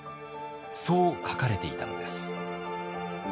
そう書かれていたのです。